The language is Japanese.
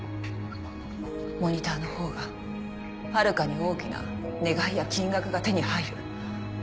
モニターの方がはるかに大きな願いや金額が手に入る。